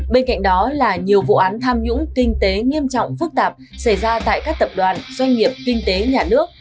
bên cạnh đó là nhiều vụ án tham nhũng kinh tế nghiêm trọng phức tạp xảy ra tại các tập đoàn doanh nghiệp kinh tế nhà nước